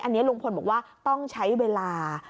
อันนี้ลุงพลบอกว่าต้องใช้เวลา